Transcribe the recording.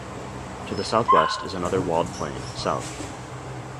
To the southwest is another walled plain, South.